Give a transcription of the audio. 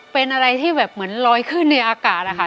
เป็นอะไรที่แบบเหมือนลอยขึ้นในอากาศอะค่ะ